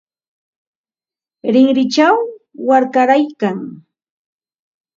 Rinrinchaw warkaraykan.